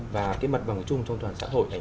và cái mặt bằng chung trong toàn xã hội